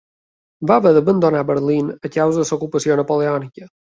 Va haver d'abandonar Berlín a causa de l'ocupació napoleònica.